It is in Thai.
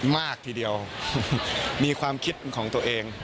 มากทีเดียวมีความคิดของตัวเอง